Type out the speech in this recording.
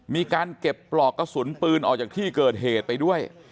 มีการเก็บปลอกกระสุนปืนออกจากที่เกิดเหตุไปด้วย